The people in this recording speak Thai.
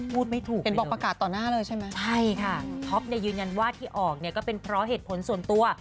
พูดไม่ถูกเลยเลยใช่ค่ะท็อปเนี่ยยืนยันว่าที่ออกเนี่ยก็เป็นเพราะเหตุผลส่วนตัว